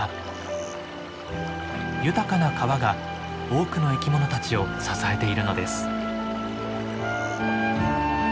豊かな川が多くの生き物たちを支えているのです。